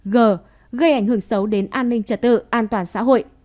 g gây ảnh hưởng xấu đến an ninh trật tự an toàn xã hội